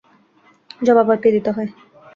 জবাব কি আর দিতে হয়।